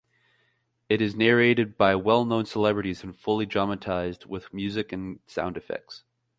It is narrated by well-known celebrities and fully dramatized with music and sound effects.